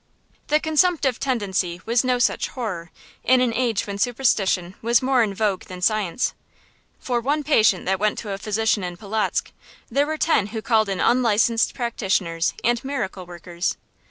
The consumptive tendency was no such horror, in an age when superstition was more in vogue than science. For one patient that went to a physician in Polotzk, there were ten who called in unlicensed practitioners and miracle workers.